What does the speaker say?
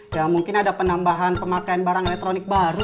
ya mungkin ada penambahan pemakaian barang elektronik baru